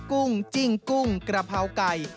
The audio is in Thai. กุ้งจิ้งกุ้งกระเพราไก่